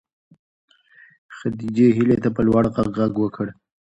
خدیجې هیلې ته په لوړ غږ غږ وکړ.